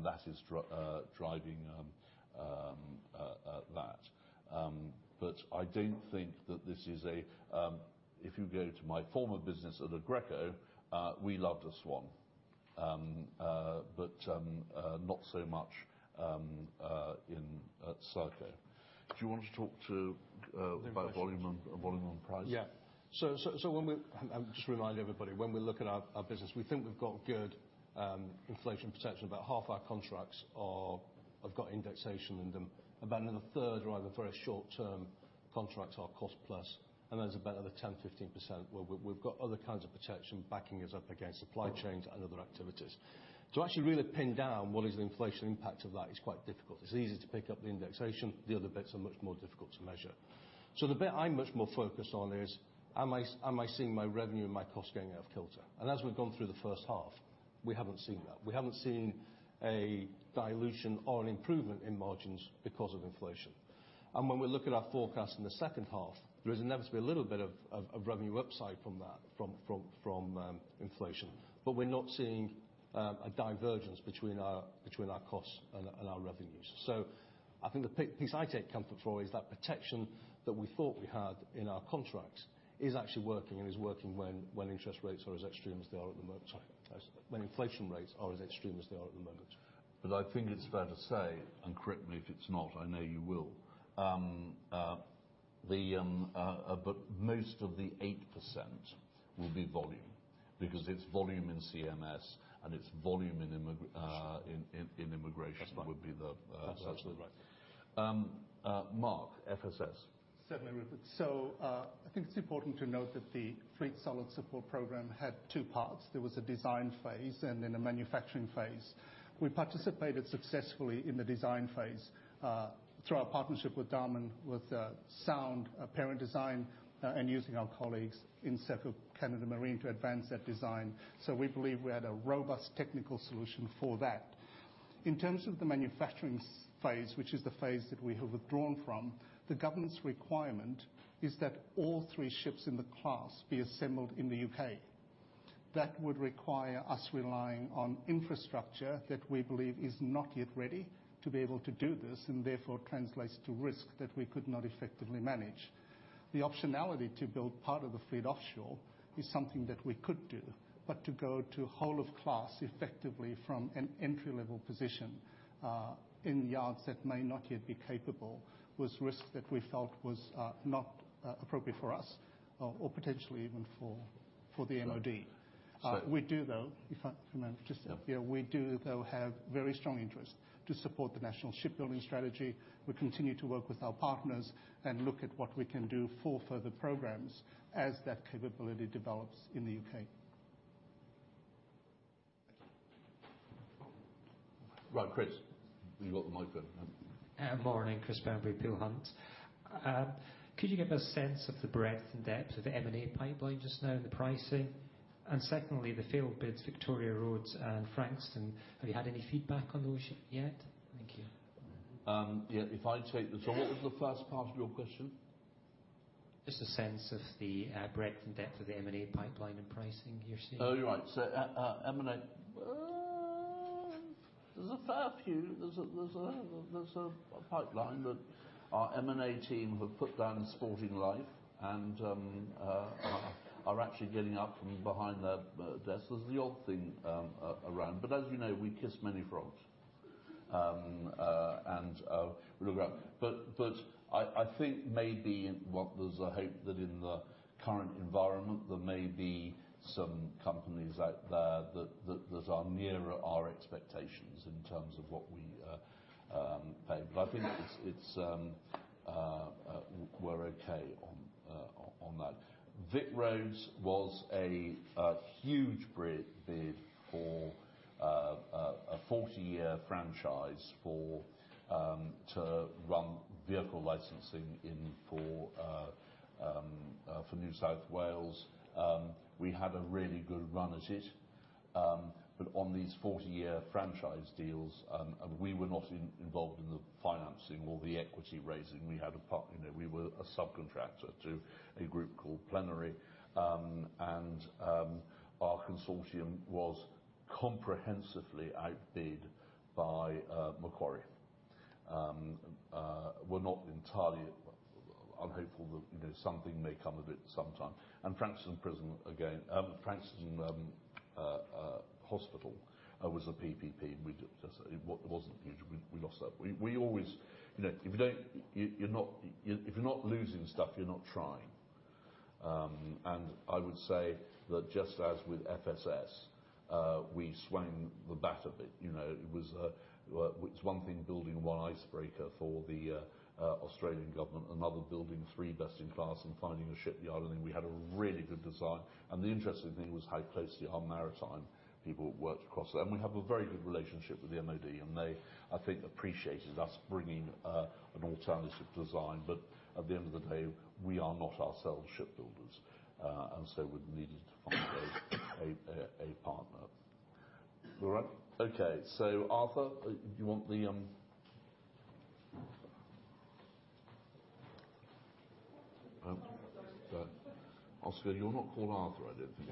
That is driving that. I don't think that this is a. If you go to my former business at Aggreko, we loved a swan. Not so much in at Serco. Do you want to talk to No questions. about volume and price? Yeah, when we look at our business, we think we've got good inflation protection. About half our contracts have got indexation in them. About another third are on very short-term contracts, cost plus. There's about another 10-15% where we've got other kinds of protection backing us up against supply chains and other activities. To actually really pin down what is the inflation impact of that is quite difficult. It's easy to pick up the indexation. The other bits are much more difficult to measure. The bit I'm much more focused on is, am I seeing my revenue and my costs going out of kilter? As we've gone through the first half, we haven't seen that. We haven't seen a dilution or an improvement in margins because of inflation. When we look at our forecast in the second half, there is inevitably a little bit of revenue upside from that, from inflation. But we're not seeing a divergence between our costs and our revenues. So I think the piece I take comfort for is that protection that we thought we had in our contracts is actually working and is working when interest rates are as extreme as they are at the moment. Sorry. As when inflation rates are as extreme as they are at the moment. I think it's fair to say, and correct me if it's not, I know you will. Most of the 8% will be volume because it's volume in CMS and it's volume in immigration. That's right. Would be the, uh- That's absolutely right. Mark, FSS. Certainly, Rupert. I think it's important to note that the Fleet Solid Support program had two parts. There was a design phase and then a manufacturing phase. We participated successfully in the design phase through our partnership with Damen, with sound parent design, and using our colleagues in Serco Canada Marine to advance that design. We believe we had a robust technical solution for that. In terms of the manufacturing phase, which is the phase that we have withdrawn from, the government's requirement is that all three ships in the class be assembled in the UK. That would require us relying on infrastructure that we believe is not yet ready to be able to do this, and therefore translates to risk that we could not effectively manage. The optionality to build part of the fleet offshore is something that we could do, but to go to whole of class effectively from an entry-level position in yards that may not yet be capable was risk that we felt was not appropriate for us or potentially even for the MOD. So- We do, though, if I may just. Yeah. We do, though, have very strong interest to support the national shipbuilding strategy. We continue to work with our partners and look at what we can do for further programs as that capability develops in the UK. Right. Chris, you got the mic there. Morning. Chris Bamberry, Peel Hunt. Could you give us a sense of the breadth and depth of the M&A pipeline just now in the pricing? Secondly, the failed bids, VicRoads and Frankston, have you had any feedback on those yet? Thank you. Yeah, if I take that. What was the first part of your question? Just a sense of the breadth and depth of the M&A pipeline and pricing you're seeing. Oh, you're right. M&A, there's a fair few. There's a pipeline that our M&A team have put together and are actually getting up from behind their desk. There's the odd thing around. As you know, we kiss many frogs and look around. I think maybe there's a hope that in the current environment there may be some companies out there that are nearer our expectations in terms of what we pay. I think we're okay on that. VicRoads was a huge bid for a 40-year franchise to run vehicle licensing for New South Wales. We had a really good run at it. On these 40-year franchise deals, we were not involved in the financing or the equity raising. We had a part in it. We were a subcontractor to a group called Plenary. Our consortium was comprehensively outbid by Macquarie. We're not entirely unhopeful that, you know, something may come of it sometime. Frankston Hospital again. Frankston Hospital was a PPP, and it wasn't huge. We lost that. We always, you know, if you don't, you're not. If you're not losing stuff, you're not trying. I would say that just as with FSS, we swung the bat a bit. You know, it's one thing building one icebreaker for the Australian government, another building three best-in-class and finding a shipyard. I think we had a really good design. The interesting thing was how closely our maritime people worked across. We have a very good relationship with the MOD, and they, I think, appreciated us bringing an alternative design. At the end of the day, we are not ourselves shipbuilders, and so we needed to find a partner. All right. Okay. Arthur, do you want the Oscar, you're not called Arthur, I don't think.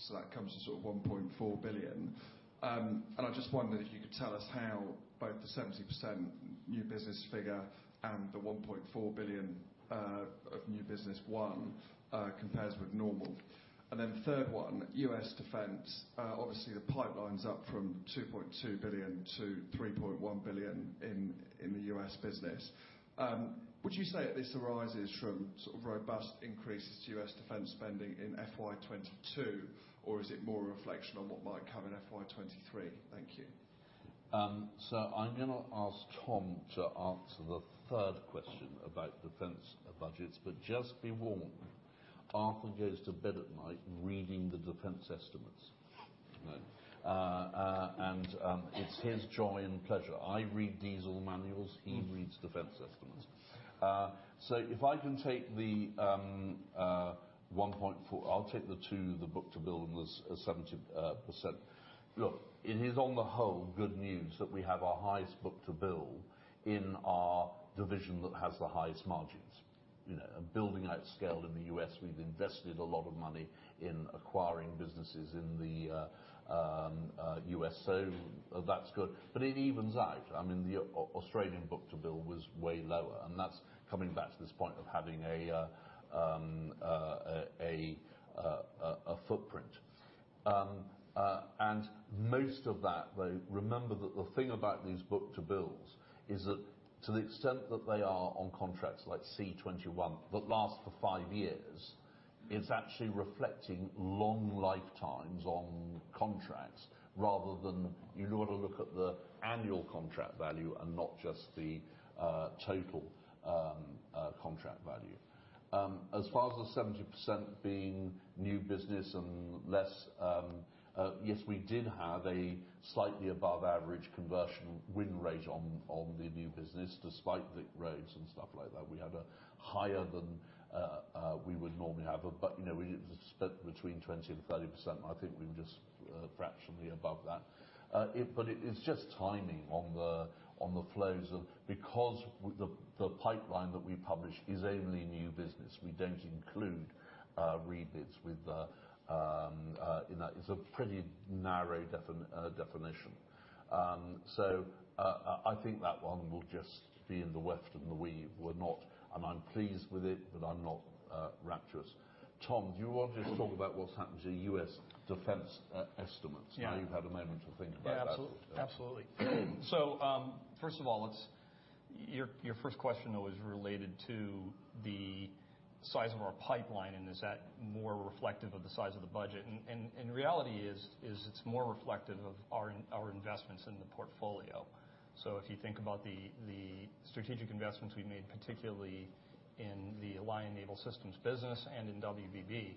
Thanks very much. Arthur, three from me if I may. Firstly, you did 1.4 times book to bill in the Americas business, which obviously is higher than average. Are you expecting this to result in a meaningful acceleration in organic growth? And can you give us an idea of roughly how much? Second question. For the group as a whole, you had GBP 2 billion of order intake, which 70% was new business. That comes to sort of GBP 1.4 billion. I just wondered if you could tell us how both the 70% new business figure and the 1.4 billion of new business won compares with normal. Then third one, U.S. defense. Obviously the pipeline's up from 2.2 billion to 3.1 billion in the U.S. business. Would you say that this arises from sort of robust increases to U.S. defense spending in FY 2022, or is it more a reflection on what might come in FY 2023? Thank you. I'm gonna ask Tom to answer the third question about defense budgets, but just be warned, Arthur goes to bed at night reading the defense estimates. No. It's his joy and pleasure. I read diesel manuals, he reads defense estimates. I'll take the two, the book-to-bill and the 70%. Look, it is on the whole good news that we have our highest book-to-bill in our division that has the highest margins. You know, and building out scale in the US, we've invested a lot of money in acquiring businesses in the US, so that's good. It evens out. I mean, the Australian book-to-bill was way lower, and that's coming back to this point of having a footprint. Most of that, though, remember that the thing about these book-to-bills is that to the extent that they are on contracts like C-21 that last for five years, it's actually reflecting long lifetimes on contracts rather than you ought to look at the annual contract value and not just the total contract value. As far as the 70% being new business and less, yes, we did have a slightly above average conversion win rate on the new business, despite the roads and stuff like that. We had a higher than we would normally have. You know, we spent between 20%-30%. I think we're just fractionally above that. It's just timing on the flows of. Because the pipeline that we publish is only new business. We don't include rebids within that. It's a pretty narrow definition. I think that one will just be in the warp and weft. I'm pleased with it, but I'm not rapturous. Tom, do you want to just talk about what's happened to the U.S. defense estimates? Yeah. Now you've had a moment to think about that. Yeah, absolutely. Your first question, though, is related to the size of our pipeline and is that more reflective of the size of the budget. Reality is, it's more reflective of our investments in the portfolio. If you think about the strategic investments we've made, particularly in the Alion Naval Systems business and in WBB,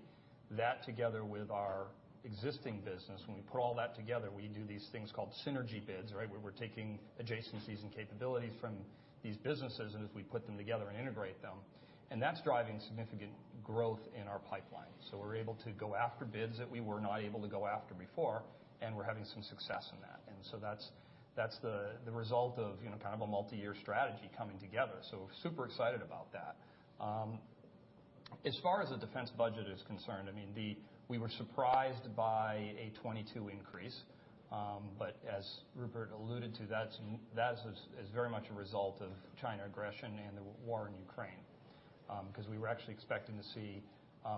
that together with our existing business, when we put all that together, we do these things called synergy bids, right, where we're taking adjacencies and capabilities from these businesses and as we put them together and integrate them, and that's driving significant growth in our pipeline. We're able to go after bids that we were not able to go after before, and we're having some success in that. That's the result of, you know, kind of a multi-year strategy coming together. Super excited about that. As far as the defense budget is concerned, I mean, we were surprised by a 22% increase. But as Rupert alluded to, that is very much a result of China aggression and the war in Ukraine. Because we were actually expecting to see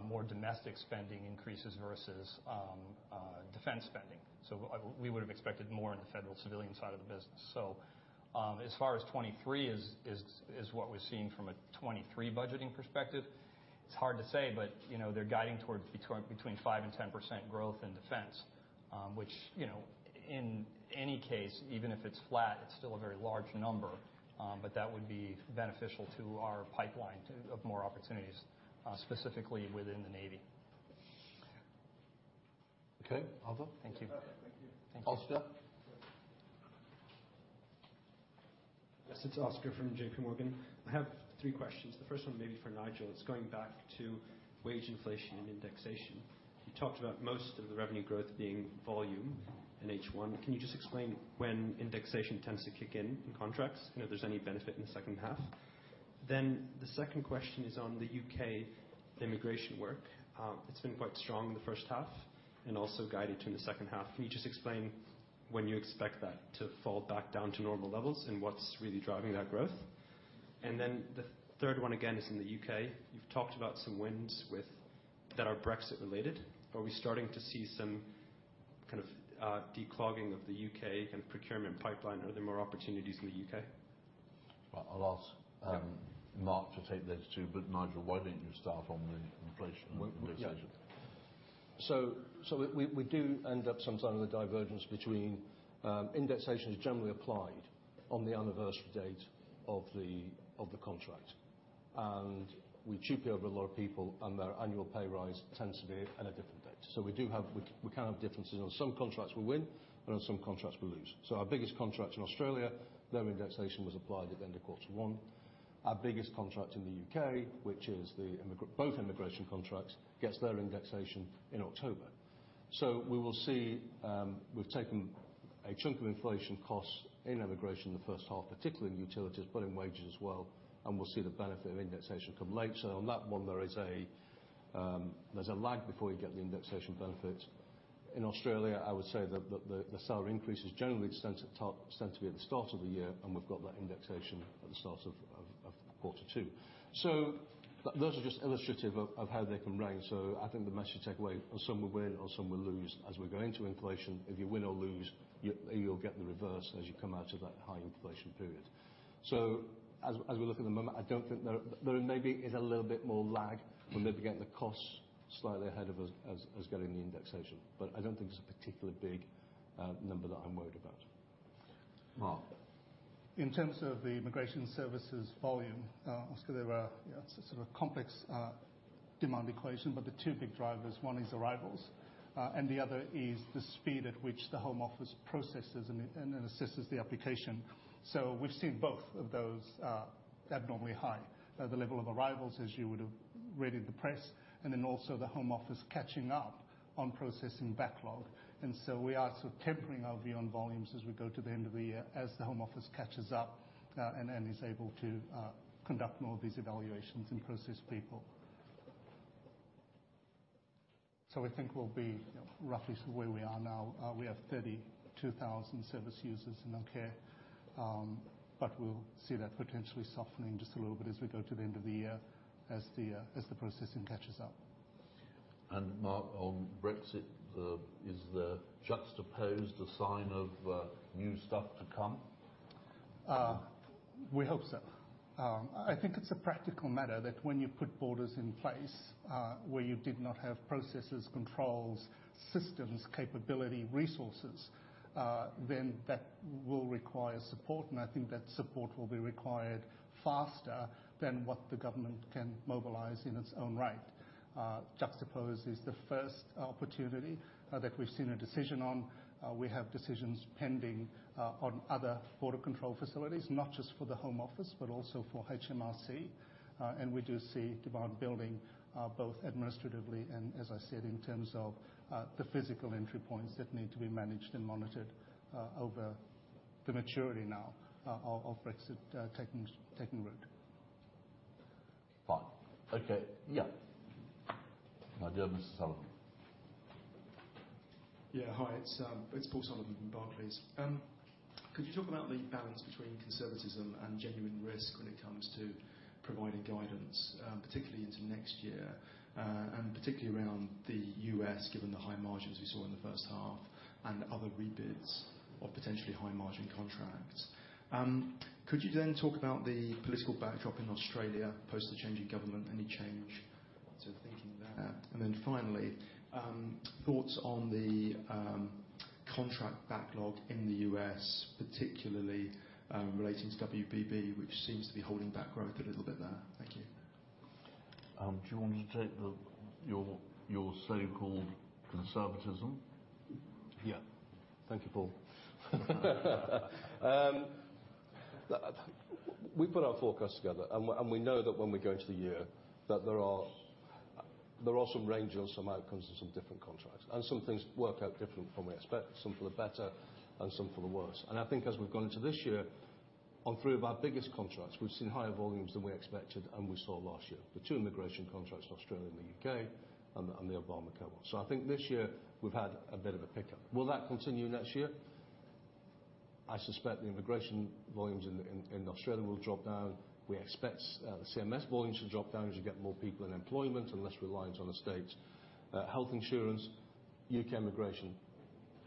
more domestic spending increases versus defense spending. We would have expected more in the federal civilian side of the business. As far as 2023 is what we're seeing from a 2023 budgeting perspective, it's hard to say, but, you know, they're guiding towards between 5%-10% growth in defense. Which, you know, in any case, even if it's flat, it's still a very large number. That would be beneficial to our pipeline to have more opportunities, specifically within the Navy. Okay. Other? Thank you. Thank you. Thank you. Oscar. Yes, it's Oscar from JPMorgan. I have three questions. The first one may be for Nigel. It's going back to wage inflation and indexation. You talked about most of the revenue growth being volume in H1. Can you just explain when indexation tends to kick in in contracts? You know, if there's any benefit in the second half. The second question is on the UK immigration work. It's been quite strong in the first half and also guided in the second half. Can you just explain when you expect that to fall back down to normal levels and what's really driving that growth? The third one, again, is in the UK. You've talked about some wins with that are Brexit related. Are we starting to see some kind of declogging of the UK procurement pipeline? Are there more opportunities in the UK? Well, I'll ask Mark to take those two, but Nigel, why don't you start on the inflation indexation? We do end up sometimes with a divergence between, indexation is generally applied on the anniversary date of the contract. We actually have a lot of people and their annual pay rise tends to be at a different date. We can have differences. On some contracts we win, but on some contracts we lose. Our biggest contract in Australia, their indexation was applied at the end of quarter one. Our biggest contract in the UK, which is both immigration contracts, gets their indexation in October. We will see, we've taken a chunk of inflation costs in immigration in the first half, particularly in utilities, but in wages as well, and we'll see the benefit of indexation come late. On that one, there's a lag before you get the indexation benefit. In Australia, I would say that the salary increases generally tend to be at the start of the year, and we've got that indexation at the start of quarter two. Those are just illustrative of how they can range. I think the message take away is some will win or some will lose as we go into inflation. If you win or lose, you'll get the reverse as you come out of that high inflation period. As we look at the moment, I don't think there may be a little bit more lag from maybe getting the costs slightly ahead of us as getting the indexation. I don't think it's a particular big number that I'm worried about. Mark In terms of the immigration services volume, Oscar, there are, you know, sort of complex demand equation, but the two big drivers, one is arrivals, and the other is the speed at which the Home Office processes and assesses the application. We've seen both of those abnormally high. At the level of arrivals, as you would have read in the press, and then also the Home Office catching up on processing backlog. We are sort of tempering our view on volumes as we go to the end of the year as the Home Office catches up, and then is able to conduct more of these evaluations and process people. I think we'll be roughly where we are now. We have 32,000 service users in the U.K. We'll see that potentially softening just a little bit as we go to the end of the year as the processing catches up. Mark, on Brexit, is the Juxtapose a sign of new stuff to come? We hope so. I think it's a practical matter that when you put borders in place, where you did not have processes, controls, systems, capability, resources, then that will require support. I think that support will be required faster than what the government can mobilize in its own right. Juxtapose is the first opportunity that we've seen a decision on. We have decisions pending on other border control facilities, not just for the Home Office, but also for HMRC. We do see demand building both administratively and as I said, in terms of the physical entry points that need to be managed and monitored over the maturity now of Brexit taking root. Fine. Okay. Yeah. Now you're Mr. Sullivan. Yeah, hi. It's Paul Sullivan from Barclays. Could you talk about the balance between conservatism and genuine risk when it comes to providing guidance, particularly into next year, and particularly around the US, given the high margins we saw in the first half and other rebids or potentially high-margin contracts? Could you then talk about the political backdrop in Australia, post the change in government, any change to thinking that? Finally, thoughts on the contract backlog in the US, particularly relating to WBB, which seems to be holding back growth a little bit there. Thank you. Do you want me to take your so-called conservatism? Yeah. Thank you, Paul. We put our forecast together, and we know that when we go into the year that there are some range on some outcomes of some different contracts and some things work out different from we expect, some for the better and some for the worse. I think as we've gone into this year, on three of our biggest contracts, we've seen higher volumes than we expected and we saw last year. The two immigration contracts, Australia and the UK, and the Obamacare. I think this year we've had a bit of a pickup. Will that continue next year? I suspect the immigration volumes in Australia will drop down. We expect the CMS volumes to drop down as you get more people in employment and less reliance on the state. Health insurance, UK immigration,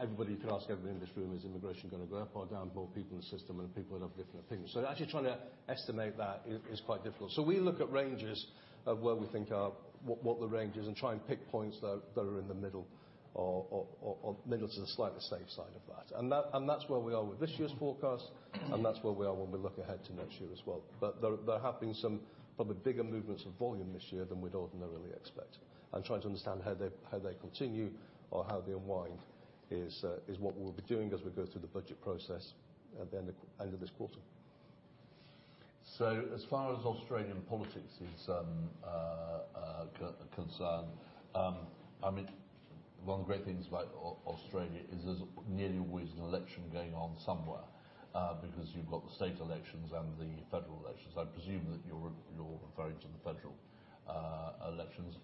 everybody you could ask everyone in this room, is immigration gonna go up or down? More people in the system and people will have different opinions. Actually trying to estimate that is quite difficult. We look at ranges of where we think are, what the range is, and try and pick points that are in the middle or middle to the slightly safe side of that. That's where we are with this year's forecast, and that's where we are when we look ahead to next year as well. There have been some probably bigger movements of volume this year than we'd ordinarily expect. I'm trying to understand how they continue or how they unwind is what we'll be doing as we go through the budget process at the end of this quarter. As far as Australian politics is concerned, I mean, one of the great things about Australia is there's nearly always an election going on somewhere, because you've got the state elections and the federal elections. I presume that you're referring to the federal elections.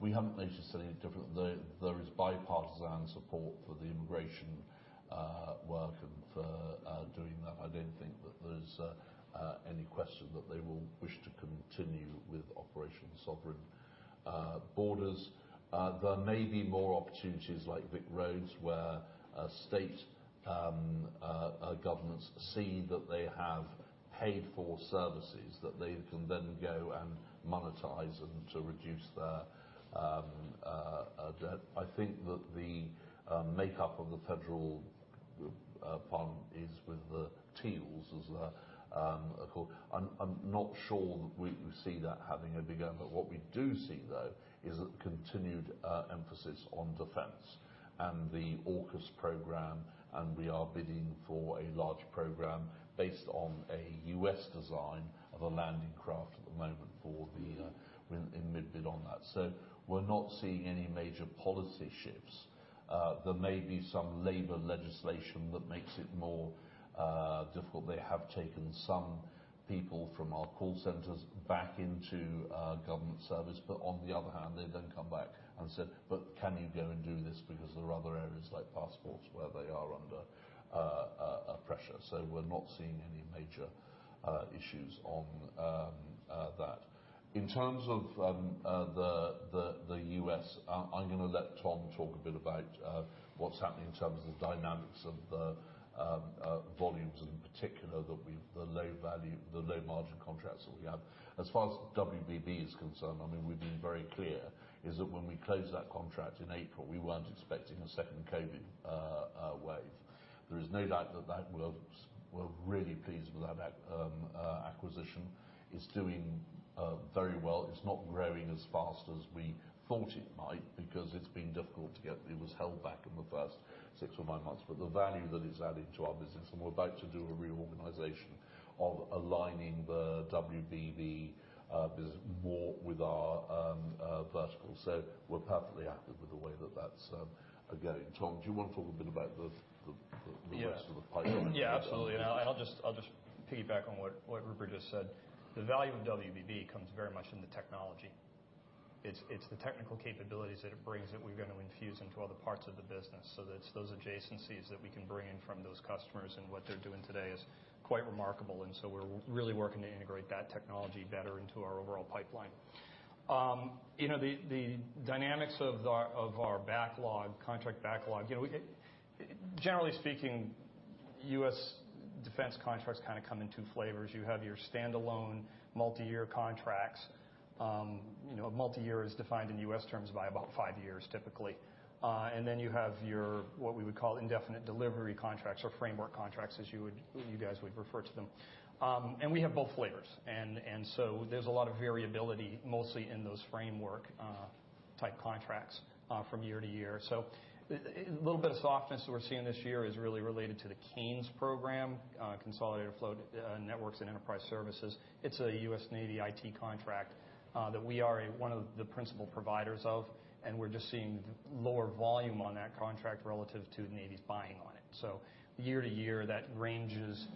We haven't noticed any different. There is bipartisan support for the immigration work and for doing that. I don't think that there's any question that they will wish to continue with Operation Sovereign Borders. There may be more opportunities like VicRoads, where state governments see that they have paid for services that they can then go and monetize and to reduce their debt. I think that the makeup of the federal pond is with the teals, as they're called. I'm not sure that we see that having a big impact. What we do see, though, is a continued emphasis on defense and the AUKUS program, and we are bidding for a large program based on a U.S. design of a landing craft at the moment, we're in mid-bid on that. We're not seeing any major policy shifts. There may be some labor legislation that makes it more difficult. They have taken some people from our call centers back into government service, but on the other hand, they then come back and said, "But can you go and do this?" Because there are other areas like passports where they are under pressure. We're not seeing any major issues on that. In terms of the US, I'm gonna let Tom talk a bit about what's happening in terms of dynamics of the volume. In particular, the low value, the low margin contracts that we have. As far as WBB is concerned, I mean, we've been very clear, is that when we closed that contract in April, we weren't expecting a second COVID wave. There is no doubt that we're really pleased with that acquisition. It's doing very well. It's not growing as fast as we thought it might because it's been difficult to get. It was held back in the first six or nine months. The value that it's adding to our business, and we're about to do a reorganization of aligning the WBB business more with our verticals. We're perfectly happy with the way that that's going. Tom, do you wanna talk a bit about the- Yes. Rest of the pipeline? Yeah, absolutely. I'll just piggyback on what Rupert just said. The value of WBB comes very much in the technology. It's the technical capabilities that it brings that we're gonna infuse into other parts of the business. It's those adjacencies that we can bring in from those customers and what they're doing today is quite remarkable, and we're really working to integrate that technology better into our overall pipeline. You know, the dynamics of our backlog, contract backlog. Generally speaking, U.S. defense contracts kinda come in two flavors. You have your standalone multi-year contracts. You know, multi-year is defined in U.S. terms by about five years typically. You have your what we would call indefinite delivery contracts or framework contracts, as you would, you guys would refer to them. We have both flavors and so there's a lot of variability mostly in those framework type contracts from year to year. A little bit of softness that we're seeing this year is really related to the CANES program, Consolidated Afloat Networks and Enterprise Services. It's a U.S. Navy IT contract that we are one of the principal providers of, and we're just seeing lower volume on that contract relative to the Navy's buying on it. Year to year that ranges,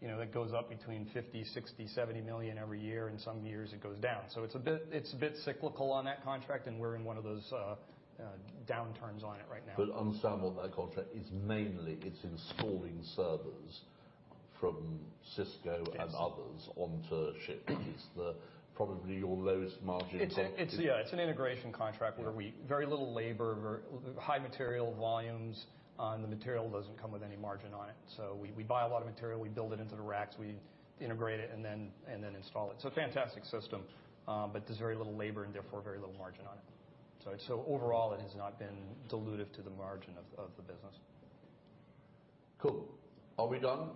you know, it goes up between $50 million, $60 million, $70 million every year. In some years it goes down. It's a bit cyclical on that contract, and we're in one of those downturns on it right now. Understand that contract is mainly, it's installing servers from Cisco. Yes. others onto ships. It's probably your lowest margin con- It's an integration contract. Very little labor, very high material volumes, and the material doesn't come with any margin on it. We buy a lot of material, we build it into the racks, we integrate it, and then install it. Fantastic system, but there's very little labor and therefore very little margin on it. Overall it has not been dilutive to the margin of the business. Cool. Are we done?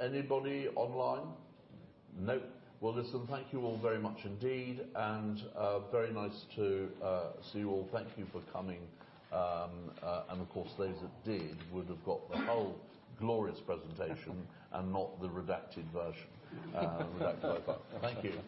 Anybody online? Nope. Well, listen, thank you all very much indeed and very nice to see you all. Thank you for coming. Of course, those that did would've got the whole glorious presentation and not the redacted version. Redacted. Thank you.